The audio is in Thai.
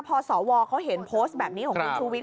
พอสวเขาเห็นโพสต์แบบนี้ของคุณชูวิท